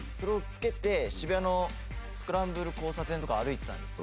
スクランブル交差点とか歩いてたんですよ。